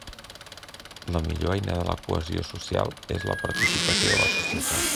La millor eina de la cohesió social és la participació de la societat.